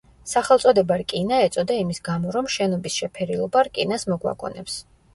სახელწოდება „რკინა“ ეწოდა იმის გამო, რომ შენობის შეფერილობა რკინას მოგვაგონებს.